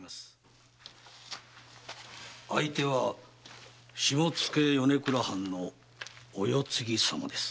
相手は下野・米倉藩のお世継ぎ様です。